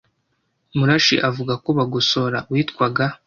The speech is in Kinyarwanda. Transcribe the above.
Murashi avuga ko Bagosora witwaga